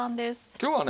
今日はね